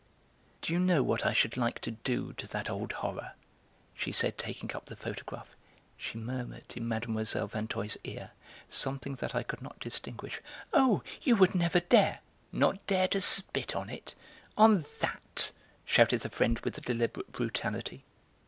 "Do you know what I should like to do to that old horror?" she said, taking up the photograph. She murmured in Mlle. Vinteuil's ear something that I could not distinguish. "Oh! You would never dare." "Not dare to spit on it? On that?" shouted the friend with deliberate brutality.